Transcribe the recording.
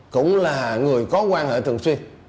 cũng là người có quan hệ thường xuyên